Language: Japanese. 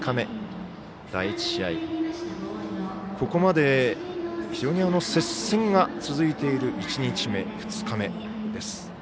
ここまで非常に接戦が続いている１日目、２日目です。